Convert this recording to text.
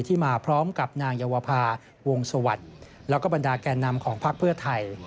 มาพร้อมกับนางเยาวภาวงสวัสดิ์แล้วก็บรรดาแก่นำของพักเพื่อไทย